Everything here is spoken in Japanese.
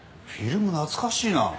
フィルム懐かしいな。